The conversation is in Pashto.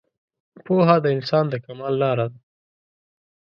پوهه د انسان د کمال لاره ده